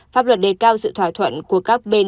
pháp luật đề cao sự thỏa thuận của các bên